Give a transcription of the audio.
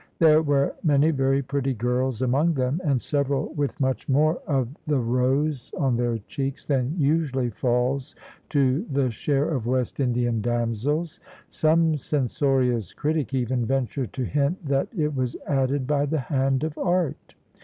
There were many very pretty girls among them, and several with much more of the rose on their cheeks than usually falls to the share of West Indian damsels. Some censorious critic even ventured to hint that it was added by the hand of art.